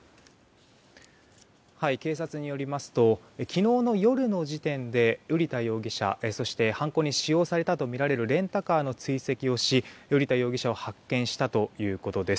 警察によりますと昨日の夜の時点で瓜田容疑者そして、犯行に使用されたとみられるレンタカーの追跡をし瓜田容疑者を発見したということです。